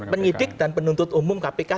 penyidik dan penuntut umum kpk